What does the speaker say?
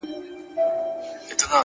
لوړ همت له ستړیا پورته وي.